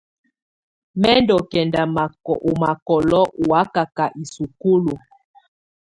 Mɛ̀ ndù kɛnda ɔ̀ makɔlɔ ù wakaka i sukulu.